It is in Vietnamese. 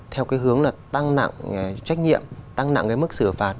theo cái hướng là tăng nặng trách nhiệm tăng nặng cái mức xử phạt